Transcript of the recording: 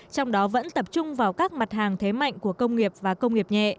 trong đó vẫn tập trung vào các mặt hàng thế mạnh của công nghiệp và công nghiệp nhẹ